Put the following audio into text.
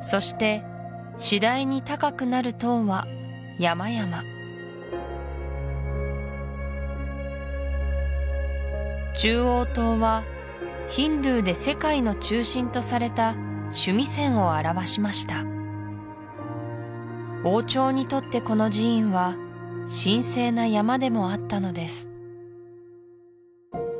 そして次第に高くなる塔は山々中央塔はヒンドゥで世界の中心とされた須弥山を表しました王朝にとってこの寺院は神聖な山でもあったのです